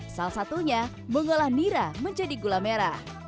salah satunya mengolah nira menjadi gula merah